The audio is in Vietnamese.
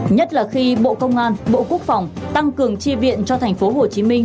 nhất là khi bộ công an bộ quốc phòng tăng cường chi viện cho thành phố hồ chí minh